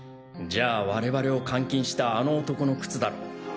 じゃあ我々を監禁したあの男の靴だろう。